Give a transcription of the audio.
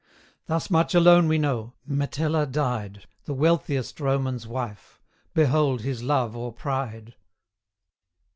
Thus much alone we know Metella died, The wealthiest Roman's wife: Behold his love or pride!